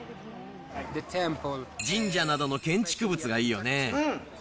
神社などの建築物がいいよね。